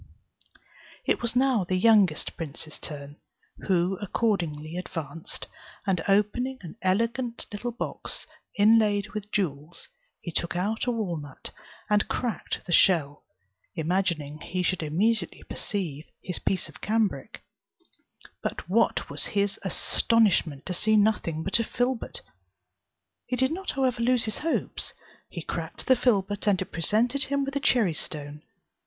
It was now the youngest prince's turn, who accordingly advanced, and opening an elegant little box inlaid with jewels, he took out a walnut, and cracked the shell, imagining he should immediately perceive his piece of cambric; but what was his astonishment to see nothing but a filbert! He did not however lose his hopes; he cracked the filbert, and it presented him with a cherry stone.